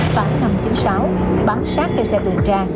bám sát theo xe tuần tra